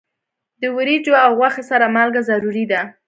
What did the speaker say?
د وریجو او غوښې سره مالګه ضروری ده.